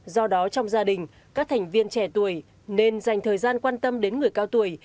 do đó trong gia đình các thành viên trẻ tuổi nên dành thời gian quan tâm đến người cao tuổi